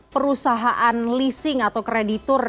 perusahaan leasing atau kreditur